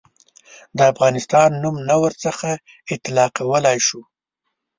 د افغانستان نوم نه ورڅخه اطلاقولای شو.